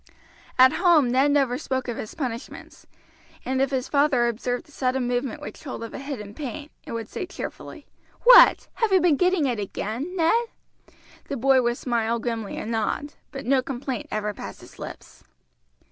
At home Ned never spoke of his punishments; and if his father observed a sudden movement which told of a hidden pain, and would say cheerfully, "What! have you been getting it again, Ned?" the boy would smile grimly and nod, but no complaint ever passed his lips.